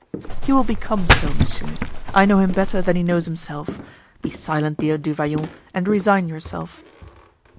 "He will become so, monsieur; I know him better than he knows himself. Be silent, dear Du Vallon, and resign yourself."